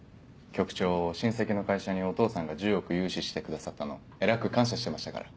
局長親戚の会社にお父さんが１０億融資してくださったのえらく感謝してましたから。